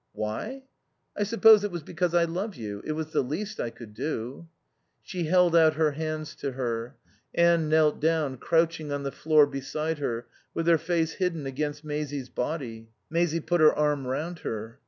"Why? I suppose it was because I love you. It was the least I could do." She held out her hands to her. Anne knelt down, crouching on the floor beside her, with her face hidden against Maisie's body. Maisie put her arm round her.